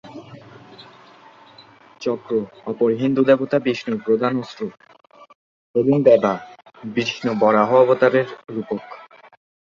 চক্র অপর হিন্দু দেবতা বিষ্ণুর প্রধান অস্ত্র এবং গদা বিষ্ণুর বরাহ অবতারের রূপক।